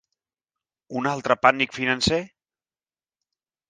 Un altre pànic financer?